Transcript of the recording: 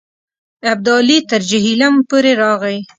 ابدالي تر جیهلم پورې راغی.